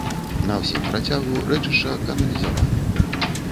На ўсім працягу рэчышча каналізавана.